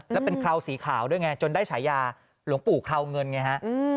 แล้วเป็นเคราวสีขาวด้วยไงจนได้ฉายาหลวงปู่คราวเงินไงฮะ